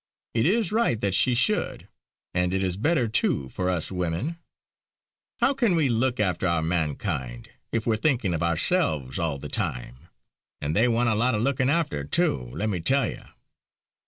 It is right that she should; and it is better too, for us women. How can we look after our mankind, if we're thinking of ourselves all the time! And they want a lot of looking after too, let me tell you.